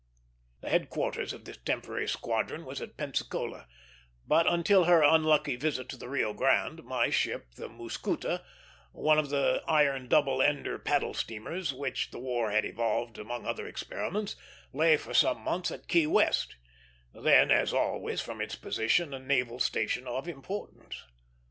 The headquarters of this temporary squadron was at Pensacola; but until her unlucky visit to the Rio Grande my ship, the Muscoota, one of the iron double ender paddle steamers which the war had evolved among other experiments, lay for some months at Key West, then, as always from its position, a naval station of importance.